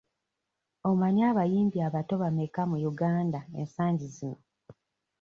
Omanyi abayimbi abato bameka mu Uganda ensangi zino?